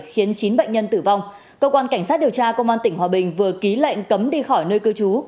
khiến chín bệnh nhân tử vong cơ quan cảnh sát điều tra công an tỉnh hòa bình vừa ký lệnh cấm đi khỏi nơi cư trú